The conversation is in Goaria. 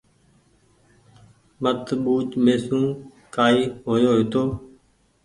مت ٻوُج مهسون ڪآئي هويو هيتو